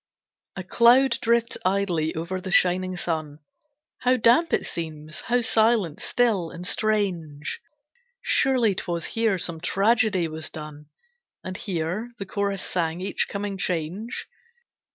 A cloud drifts idly over the shining sun. How damp it seems, how silent, still, and strange! Surely 't was here some tragedy was done, And here the chorus sang each coming change?